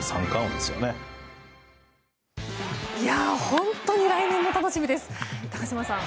本当に来年も楽しみです高島さん。